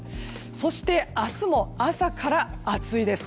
そして、明日も朝から暑いです。